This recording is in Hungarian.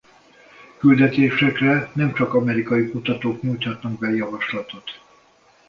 Küldetésekre nem csak amerikai kutatók nyújthatnak be javaslatot.